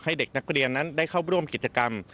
เด็กนักเรียนนั้นได้เข้าร่วมกิจกรรม